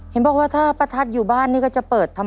เห็นบอกว่าถ้าประทัดอยู่บ้านนี่ก็จะเปิดทำ